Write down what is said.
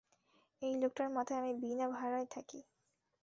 এই লোকটার মাথায় আমি বিনা ভাড়ায় থাকি।